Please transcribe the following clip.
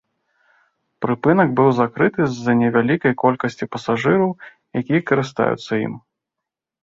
Прыпынак быў закрыты з-за невялікай колькасці пасажыраў, якія карыстаюцца ім.